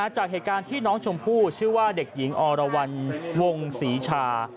จากเหตุการณ์ที่น้องชมพู่ชื่อว่าเด็กหญิงอรวรรณวงศรีชา